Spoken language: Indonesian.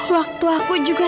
waktu aku juga